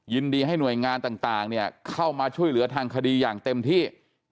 ยินดีให้หน่วยงานต่างเข้ามาช่วยเหลือทางคดีอย่างเต็มที่